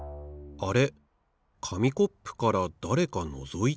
あれ？